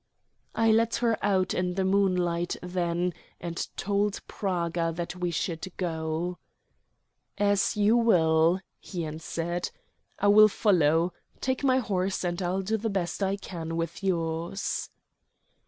I led her out in the moonlight then, and told Praga that we should go. "As you will," he answered; "I will follow. Take my horse, and I'll do the best I can with yours."